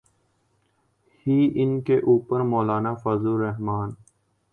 ہی، ان کے اوپر مولانا فضل الرحمن۔